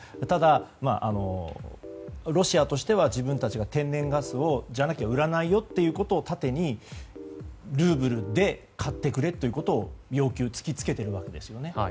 ただ、ロシアとしては自分たちの天然ガスをじゃなきゃ売らないよということを盾にルーブルで買ってくれということを要求突きつけているわけですよね。